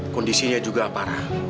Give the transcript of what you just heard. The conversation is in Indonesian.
kondisinya juga parah